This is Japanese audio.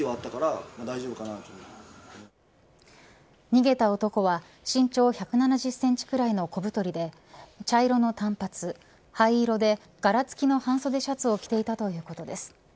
逃げた男は身長１７０センチくらいの小太りで茶色の短髪、灰色で柄付きの半袖シャツを着ていたということです。